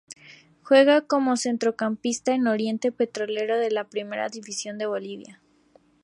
Juega como centrocampista en Oriente Petrolero de la Primera División de Bolivia.